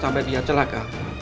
sampai dia celaka